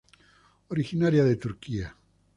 Originaria de Turquía.